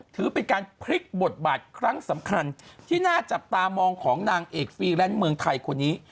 ถือเป็นการพลิกบทบาทครั้งสำคัญที่น่าจับตามองของนางเอกฟรีแลนซ์เมืองไทยคนนี้